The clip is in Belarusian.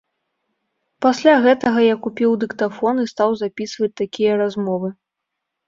Пасля гэтага я купіў дыктафон і стаў запісваць такія размовы.